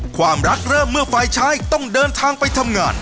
ความรักเริ่มเมื่อฝ่ายชายต้องเดินทางไปทำงาน